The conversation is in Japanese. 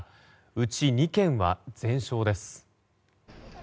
うち２軒は全焼です。